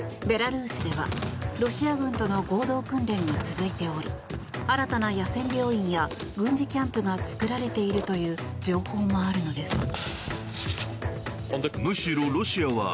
ベラルーシではロシア軍との合同訓練が続いており新たな野戦病院や軍事キャンプが作られているという情報もあるのです。